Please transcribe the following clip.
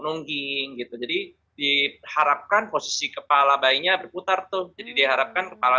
nungging gitu jadi diharapkan posisi kepala bayinya berputar tuh jadi diharapkan kepala